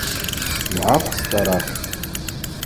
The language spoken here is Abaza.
Йгӏахвстӏ арахь.